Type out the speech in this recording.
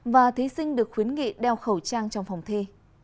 và thí sinh được khuyến nghị đeo khẩu trang trong phòng thi